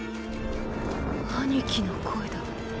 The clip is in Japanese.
⁉兄貴の声だ。